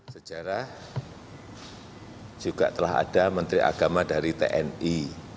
sejarah juga telah ada menteri agama dari tni